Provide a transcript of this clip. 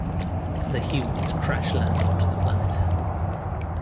The humans crash land onto the planet.